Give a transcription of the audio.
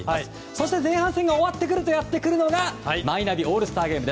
そして前半戦が終わってくるとやってくるのがマイナビオールスターゲーム。